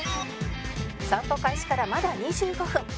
散歩開始からまだ２５分